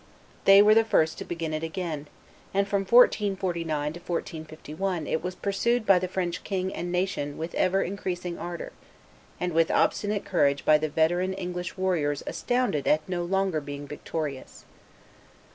They were the first to begin it again; and from 1449 to 1451 it was pursued by the French king and nation with ever increasing ardor, and with obstinate courage by the veteran English warriors astounded at no longer being victorious.